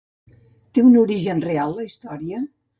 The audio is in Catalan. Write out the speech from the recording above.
Té un origen real la història?